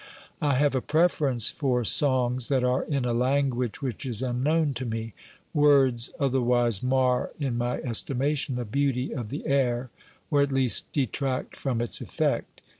I have a preference for songs that are in a language which is unknown to me. Words otherwise mar in my estimation the beauty of the air, or at least detract from its effect.